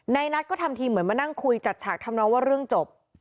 นายนัทก็ทำทีเหมือนมานั่งคุยจัดฉากทำน้องว่าเรื่องจบ